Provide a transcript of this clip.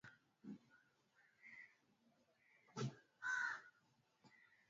Virusi vya korona husababisha matatizo katika Mfumo wa Upumuaji